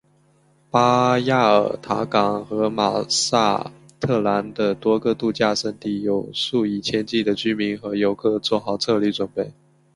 巴亚尔塔港和马萨特兰的多个度假胜地有数以千计的居民和游客做好撤离准备。